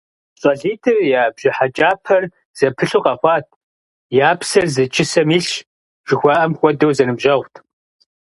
ЩӀалитӀыр я бжьыхьэкӀапэр зэпылъу къэхъуат, «я псэр зы чысэм илъщ» жыхуаӀэм хуэдэу зэныбжьэгъут.